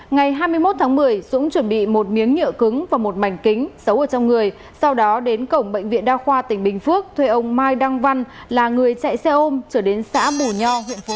ngày hai mươi một tháng một mươi dũng chuẩn bị một miếng nhựa cứng và một mảnh kính xấu ở trong người sau đó đến cổng bệnh viện đa khoa tỉnh bình phước thuê ông mai đăng văn là người chạy xe ôm trở đến xã bù nho